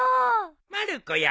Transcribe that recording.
まる子や。